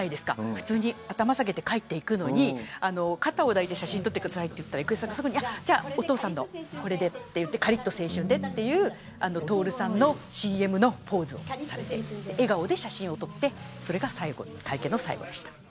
普通に頭を下げて帰っていくのに肩を抱いて写真を撮ってくださいと言ったらお父さんのカリッと青春でという徹さんのＣＭのポーズをされて笑顔で写真を撮ってそれが会見の最後でした。